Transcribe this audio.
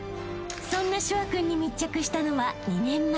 ［そんな翔海君に密着したのは２年前］